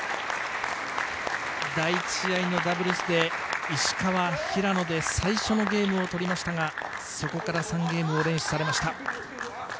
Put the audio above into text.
第１試合のダブルスで石川、平野で最初のゲームを取りましたがそこから３ゲームを連取されました。